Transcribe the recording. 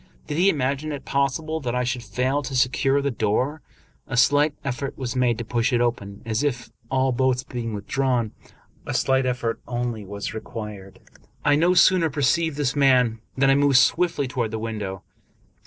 Did he imagine it possible that I should fail to secure the door? A slight effort was made to push it open, as if, all bolts being withdrawn, a slight effort only was required, I no sooner perceived this than I moved swiftly toward the window.